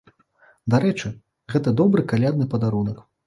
Дарэчы, гэта добры калядны падарунак!